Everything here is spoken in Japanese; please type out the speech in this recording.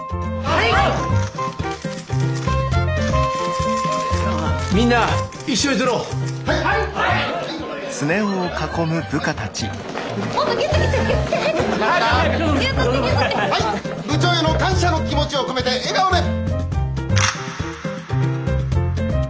はい部長への感謝の気持ちを込めて笑顔で！